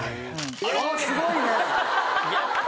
すごいね。